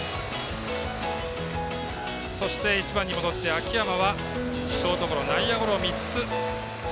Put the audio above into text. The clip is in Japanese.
そして、１番に戻って秋山はショートゴロ内野ゴロ３つ。